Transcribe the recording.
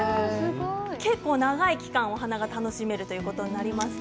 結構、長い期間お花が楽しめるということになります。